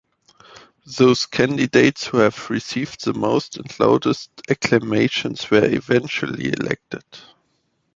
Those candidates who have received the most and loudest acclamations were eventually elected.